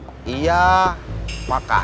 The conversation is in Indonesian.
ini saya memuzik belom